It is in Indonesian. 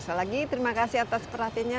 selagi terima kasih atas perhatiannya